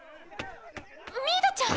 ミードちゃん！